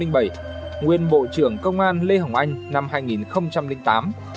nguyên bộ trưởng công an lê hồng anh năm hai nghìn tám